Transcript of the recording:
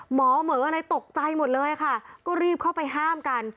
หมอเหมืออะไรตกใจหมดเลยค่ะก็รีบเข้าไปห้ามกัน